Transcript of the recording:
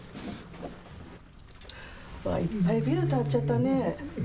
いっぱいビルが建っちゃったね。